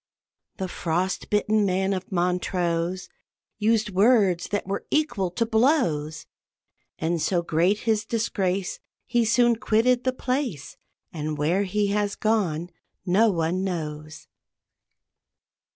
The frost bitten man of Montrose Used words that were equal to blows; And so great his disgrace, He soon quitted the place, And where he has gone no one knows.